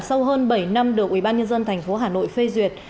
sau hơn bảy năm được ubnd tp hà nội phê duyệt